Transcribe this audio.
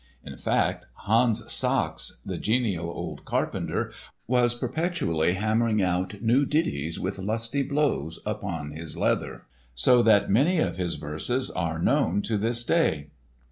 In fact, Hans Sachs, the genial old cobbler, was perpetually hammering out new ditties with lusty blows upon his leather, so that many of his verses are known to this day.